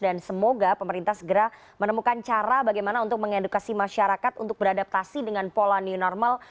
dan semoga pemerintah segera menemukan cara bagaimana untuk mengedukasi masyarakat untuk beradaptasi dengan pola new normal